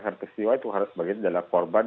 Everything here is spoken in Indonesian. karena peristiwa itu harus sebagai jalan korban